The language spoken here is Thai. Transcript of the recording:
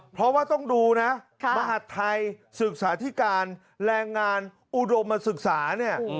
เพราะว่าต้องดูนะมหัฐไทยศึกษาธิการแรงงานอุดมศึกษาเนี่ย